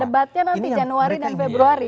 debatnya nanti januari dan februari